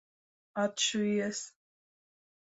Atšujies!